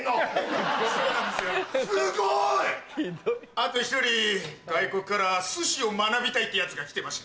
あと１人外国から寿司を学びたいってヤツが来てましてね。